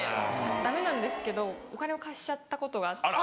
ダメなんですけどお金を貸しちゃったことがあって。